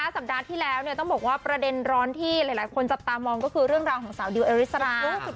สัปดาห์ที่แล้วต้องบอกว่าประเด็นร้อนที่หลายคนจับตามองก็คือเรื่องราวของสาวดิวอริสรา